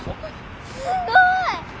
すごい！